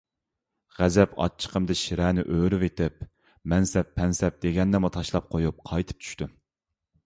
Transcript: غەزەپ ئاچچىقىمدا شىرەنى ئۆرۈۋېتىپ، مەنسەپ - پەنسەپ دېگەننىمۇ تاشلاپ قويۇپ قايتىپ چۈشتۈم.